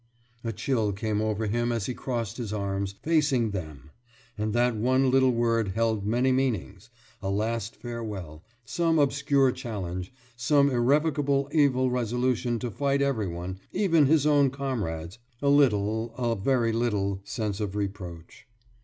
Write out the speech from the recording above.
« A chill came over him as he crossed his arms, facing Them; and that one little word held many meanings a last farewell some obscure challenge, some irrevocable evil resolution to fight everyone, even his own comrades a little, a very little, sense of reproach.